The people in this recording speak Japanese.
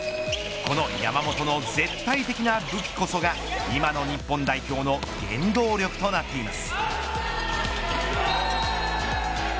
この山本の絶対的な武器こそが今の日本代表の原動力となっています。